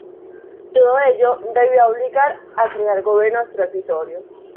Todo ello debió de obligar a crear gobiernos transitorios.